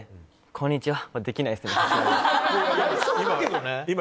こんにちは。